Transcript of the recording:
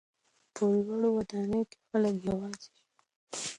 په لوړو ودانیو کې خلک یوازې سول.